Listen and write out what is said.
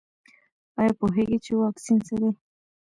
ایا پوهیږئ چې واکسین څه دی؟